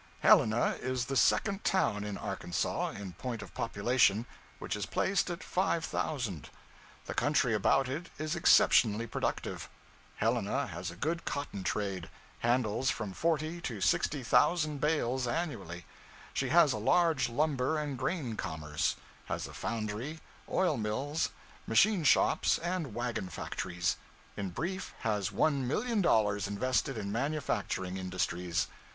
Helena is the second town in Arkansas, in point of population which is placed at five thousand. The country about it is exceptionally productive. Helena has a good cotton trade; handles from forty to sixty thousand bales annually; she has a large lumber and grain commerce; has a foundry, oil mills, machine shops and wagon factories in brief has $1,000,000 invested in manufacturing industries.